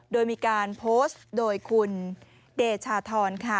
โดยมีการโพสต์โดยคุณเดชาธรค่ะ